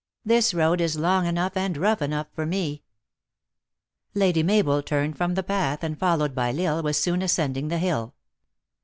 This road is long enough and rough enough for me." Lady Mabel turned from the path, and, followed by L Isle, was soon ascending the hill.